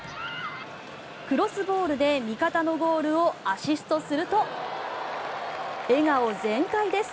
クロスボールで味方のゴールをアシストすると笑顔全開です。